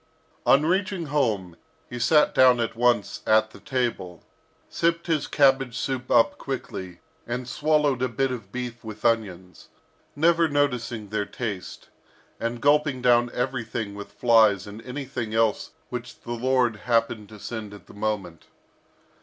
On reaching home, he sat down at once at the table, sipped his cabbage soup up quickly, and swallowed a bit of beef with onions, never noticing their taste, and gulping down everything with flies and anything else which the Lord happened to send at the moment.